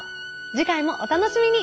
次回もお楽しみに。